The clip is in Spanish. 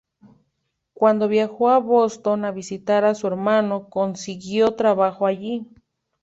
Cuando viajó a Boston a visitar a su hermano, consiguió trabajo allí.